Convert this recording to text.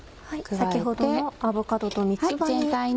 先ほどのアボカドと三つ葉に。